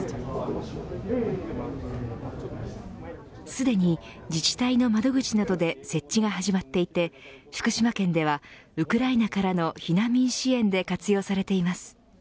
すでに自治体の窓口などで設置が始まっていて福島県では、ウクライナからの避難民支援で活用されています。